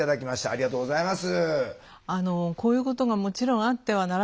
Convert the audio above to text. ありがとうございます。